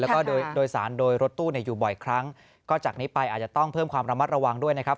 แล้วก็โดยสารโดยรถตู้เนี่ยอยู่บ่อยครั้งก็จากนี้ไปอาจจะต้องเพิ่มความระมัดระวังด้วยนะครับ